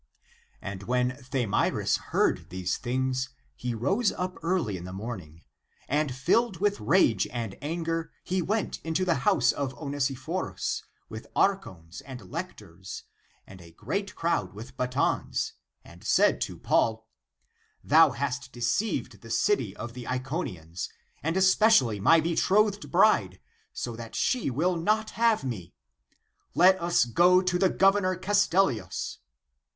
And when Thamyris heard these things he rose up early in the morning, and, filled with rage and anger, he went into the house of Onesiphorus with archons and lictors, and a great crowd with batons and said [to Paul],^^ "Thou hast deceived the city of the Iconians, and especially my betrothed bride, so that she will not have me! Let us go to the Governor Castellius